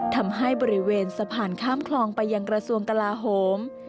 ทำให้บริเวณสะพานข้ามคลองไปยังกระทรวงกลาโหม